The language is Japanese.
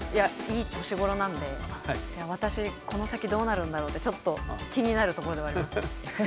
いい年頃なんで私この先どうなるんだろうってちょっと気になるところではありますね。